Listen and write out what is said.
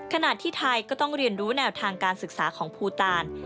ขณะที่ไทยก็ต้องเรียนรู้แนวทางการศึกษาของภูตาล